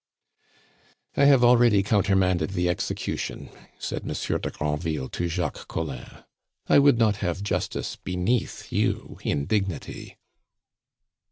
"I have already countermanded the execution," said Monsieur de Granville to Jacques Collin. "I would not have Justice beneath you in dignity."